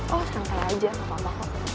oh santai aja gak apa apa kok